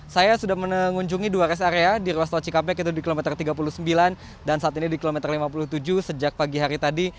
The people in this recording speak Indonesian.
saya sudah mengunjungi dua rest area di ruas tol cikampek yaitu di kilometer tiga puluh sembilan dan saat ini di kilometer lima puluh tujuh sejak pagi hari tadi